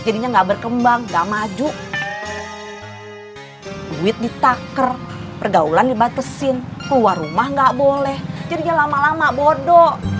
duit ditaker pergaulan dibatesin keluar rumah gak boleh jadinya lama lama bodoh